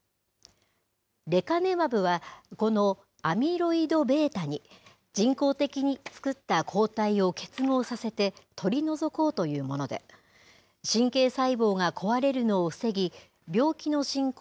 レカネマブは、このアミロイドβに、人工的に作った抗体を結合させて、取り除こうというもので、神経細胞が壊れるのを防ぎ、病気の進行